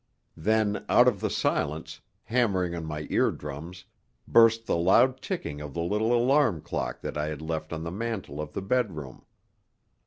Then, out of the silence, hammering on my eardrums, burst the loud ticking of the little alarm clock that I had left on the mantel of the bedroom.